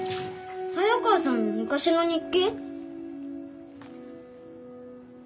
早川さんの昔の日記。